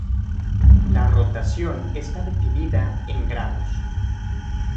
La rotación está definida en grados.